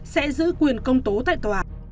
sẽ giữ quyền công tố tại tòa